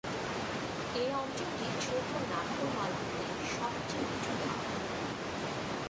এই অঞ্চলটি ছোটো নাগপুর মালভূমির সবচেয়ে নিচু ধাপ।